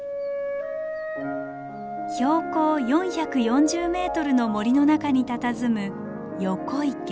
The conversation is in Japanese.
標高４４０ｍの森の中にたたずむ横池。